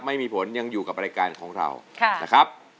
ไม่มีผลยังอยู่กับรายการของเรานะครับ